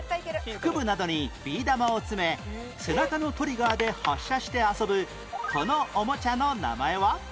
腹部などにビー玉を詰め背中のトリガーで発射して遊ぶこのおもちゃの名前は？